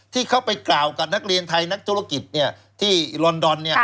ที่เขาไปกล่าวกับนักเรียนไทยนักธุรกิจที่ลอนดอน